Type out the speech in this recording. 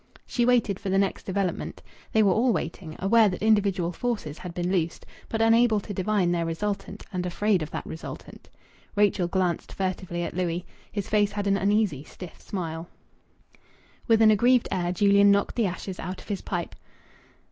She waited for the next development. They were all waiting, aware that individual forces had been loosed, but unable to divine their resultant, and afraid of that resultant. Rachel glanced furtively at Louis. His face had an uneasy, stiff smile. With an aggrieved air Julian knocked the ashes out of his pipe.